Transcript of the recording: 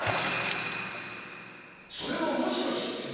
それはもしかして。